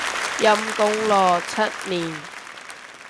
陰功咯，七年